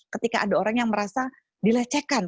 ketika ada orang yang merasa dilecehkan